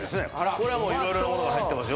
これはもういろいろなものが入ってますよ